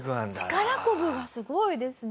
力こぶがすごいですね。